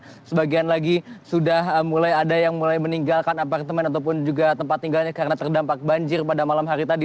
sebagian lagi sudah mulai ada yang mulai meninggalkan apartemen ataupun juga tempat tinggalnya karena terdampak banjir pada malam hari tadi